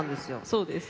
そうです。